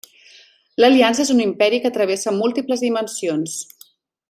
L'Aliança és un imperi que travessa múltiples dimensions.